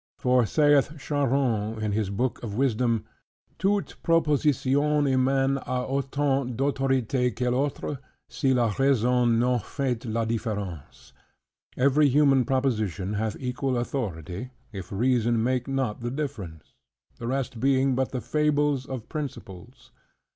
For saith Charron in his book of wisdom, "Toute proposition humaine a autant d'authorite quel'autre, si la raison n'on fait la difference;" "Every human proposition hath equal authority, if reason make not the difference," the rest being but the fables of principles.